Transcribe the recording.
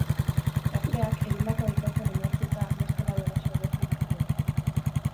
Gazteak egindako aitortzan oinarrituta, beste lau eraso egotzi dizkiote.